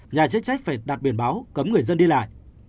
nhà chức trách phải đặt biển báo cấm người dân đi lại